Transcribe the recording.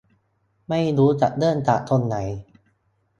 ไม่รู้จะเริ่มจากตรงไหน